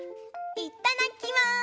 いただきます！